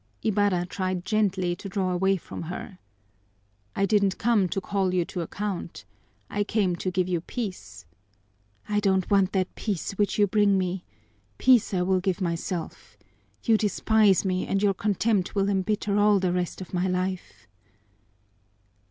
Ibarra tried gently to draw away from her. "I didn't come to call you to account! I came to give you peace!" "I don't want that peace which you bring me. Peace I will give myself. You despise me and your contempt will embitter all the rest of my life."